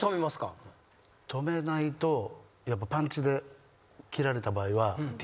止めないとやっぱパンチで切られた場合は。